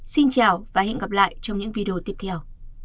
xin chào và hẹn gặp lại trong những video tiếp theo